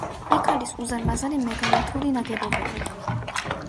იქ არის უზარმაზარი მეგალითური ნაგებობები.